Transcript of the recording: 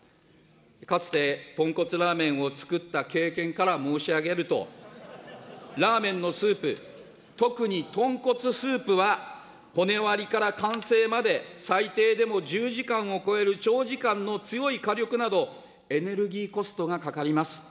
かつて、豚骨ラーメンを作った経験から申し上げると、ラーメンのスープ、特に豚骨スープは、骨割りから完成まで、最低でも１０時間を超える長時間の強い火力など、エネルギーコストがかかります。